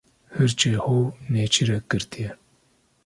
Hirçê hov nêçîrek girtiye.